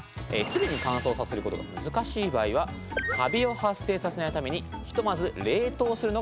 すぐに乾燥させることが難しい場合はカビを発生させないためにひとまず冷凍するのがオススメです。